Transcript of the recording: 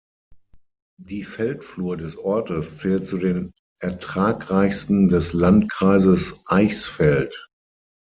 Die Feldflur des Ortes zählt zu den ertragreichsten des Landkreises Eichsfeld.